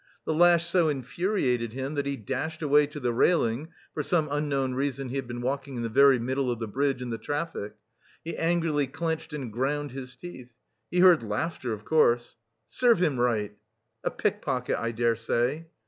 The lash so infuriated him that he dashed away to the railing (for some unknown reason he had been walking in the very middle of the bridge in the traffic). He angrily clenched and ground his teeth. He heard laughter, of course. "Serves him right!" "A pickpocket I dare say."